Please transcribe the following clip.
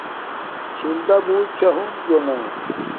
شیلدا بوت چھا ہنزو نا